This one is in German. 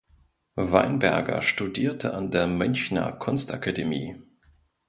Weinberger studierte an der Münchner Kunstakademie.